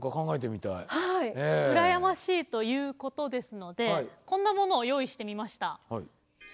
羨ましいということですのでこんなものを用意してみました。